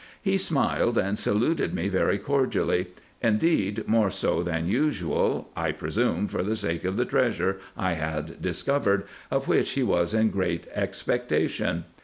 He smiled, and saluted me very cordially ; indeed more so than usual, I presume for the sake of the treasure I had discovered, of which he was in great expectation.